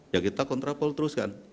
ya kita kontrapol terus kan